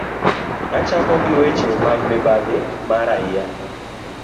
Achako gi weche mag mibadhi ma raia